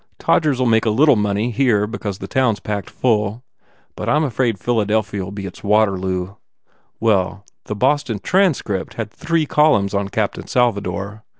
Todgers ll make a little money here because the town s packed full. But I m afraid Philadelphia ll be its Waterloo. Well, the Boston Transcript had three columns on Captain Salvador.